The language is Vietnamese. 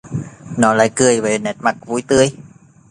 Nó lại cười với nét mặt vui tươi